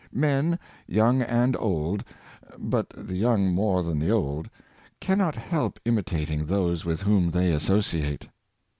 Men, young and old — but the young more than the old — cannot help imitating those with whom they as sociate.